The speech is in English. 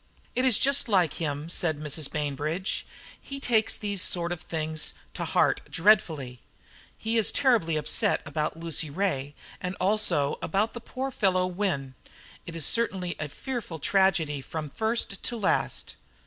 "It is just like him," said Mrs. Bainbridge; "he takes these sort of things to heart dreadfully. He is terribly upset about Lucy Ray, and also about the poor fellow Wynne. It is certainly a fearful tragedy from first to last."